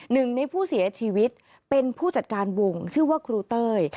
หนึ่งในผู้เสียชีวิตเป็นผู้จัดการวงชื่อว่าครูเต้ย